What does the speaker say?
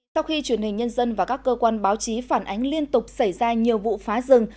sau khi truyền hình nhân dân và các cơ quan báo chí phản ánh liên tục xảy ra nhiều vụ phá rừng